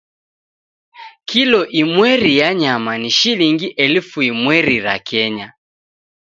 Kilo imweri ya nyama ni shilingi elfu imweri ra Kenya.